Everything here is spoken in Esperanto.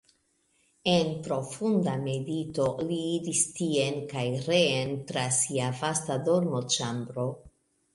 En profunda medito li iris tien kaj reen tra sia vasta dormoĉambro.